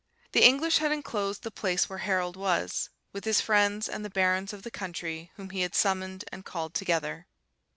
The English had enclosed the place where Harold was, with his friends and the barons of the country whom he had summoned and called together.